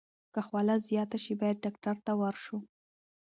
که خوله زیاته شي، باید ډاکټر ته ورشو.